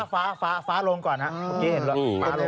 ฟ้าฟ้าฟ้าลงก่อนนะ